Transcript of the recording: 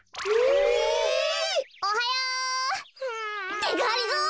ってがりぞー！？